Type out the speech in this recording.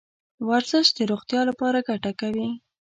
ورزش د روغتیا لپاره ګټه کوي .